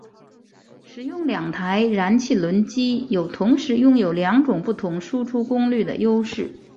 使用两台燃气轮机有同时拥有两种不同输出功率的优势。